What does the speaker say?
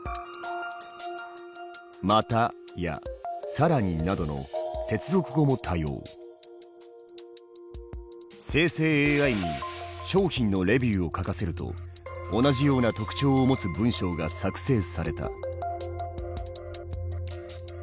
「また」や「さらに」などの生成ＡＩに商品のレビューを書かせると同じような特徴を持つ文章が作成された。